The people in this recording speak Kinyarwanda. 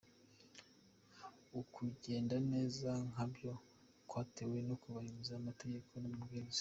Ukugenda neza kwabyo kwatewe no kubahiriza amategeko n’amabwiriza.